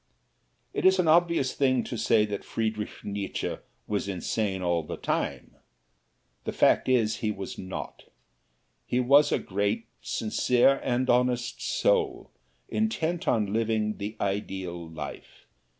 It is an obvious thing to say that Friedrich Nietzsche was insane all the time. The fact is, he was not. He was a great, sincere and honest soul, intent on living the ideal life.